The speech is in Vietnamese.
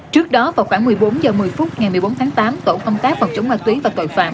trước đó vào khoảng một mươi bốn h một mươi phút ngày một mươi bốn tháng tám tổ công tác phòng chống ma túy và tội phạm